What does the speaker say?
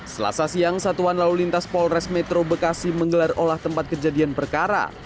selasa siang satuan lalu lintas polres metro bekasi menggelar olah tempat kejadian perkara